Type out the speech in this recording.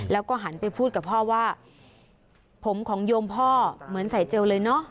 แล้วก็หันไปพูดกับพ่อว่าผมของโยมพ่อเหมือนใส่เจลเลยเนอะ